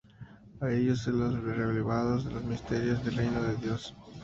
A ellos les son revelados los misterios del Reino de Dios.